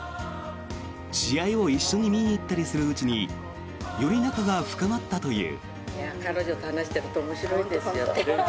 試合を一緒に見に行ったりするうちにより仲が深まったという。